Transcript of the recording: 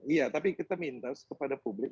iya tapi kita minta kepada publik